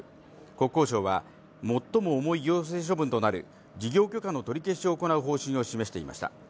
国交省は最も重い行政処分となる、事業許可の取り消しを行う方針を示していました。